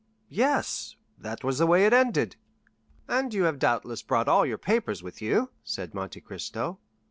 "Yes, that was the way it ended." "And you have doubtless brought all your papers with you?" said Monte Cristo.